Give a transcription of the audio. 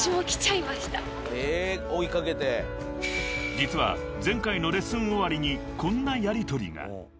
［実は前回のレッスン終わりにこんなやりとりが］